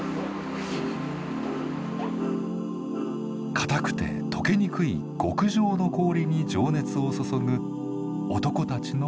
硬くて解けにくい極上の氷に情熱を注ぐ男たちの物語。